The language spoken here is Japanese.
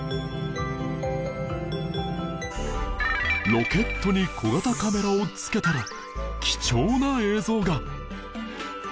ロケットに小型カメラを付けたら貴重な映像が